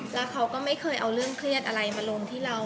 แล้วเขาก็ไม่เคยเอาเรื่องเครียดอะไรมาลงที่เรา